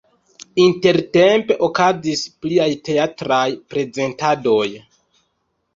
Intertempe okazis pliaj teatraj prezentadoj.